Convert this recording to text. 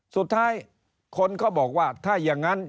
สุดท้ายคนก็บอกว่าถ้าอย่างนั้น